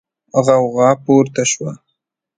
غوغا پورته شوه.